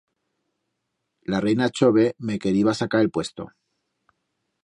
La reina chove me queriba sacar el puesto.